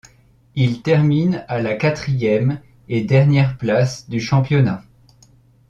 Il termine à la quatrième et dernière place du championnat.